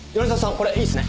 これいいですね？